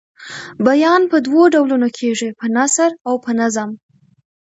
بیان په دوو ډولونو کیږي په نثر او په نظم.